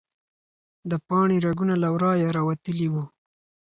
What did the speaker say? د پاڼې رګونه له ورایه راوتلي وو.